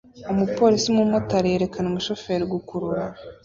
umupolisi umumotari yerekana umushoferi gukurura